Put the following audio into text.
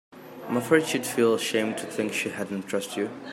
I'm afraid she'd feel ashamed to think she hadn't trusted you.